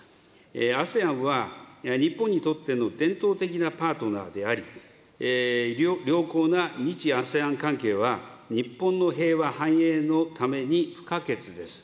ＡＳＥＡＮは日本にとっての伝統的なパートナーであり、良好な日・ＡＳＥＡＮ関係は、日本の平和繁栄のために不可欠です。